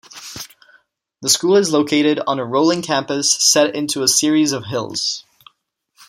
The school is located on a rolling campus set into a series of hills.